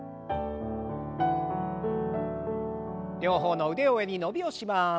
両方の腕を上に伸びをします。